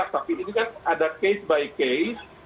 tapi ini kan ada case by case